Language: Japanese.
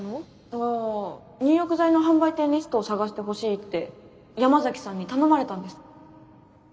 ああ入浴剤の販売店リストを探してほしいって山崎さんに頼まれたんです。